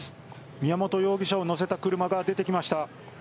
宮本容疑者を乗せた車が出てきました。